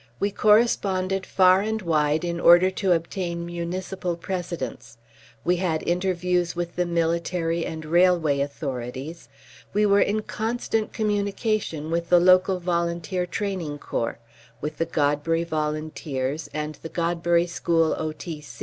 We corresponded far and wide in order to obtain municipal precedents. We had interviews with the military and railway authorities. We were in constant communication with the local Volunteer Training Corps; with the Godbury Volunteers and the Godbury School O.T.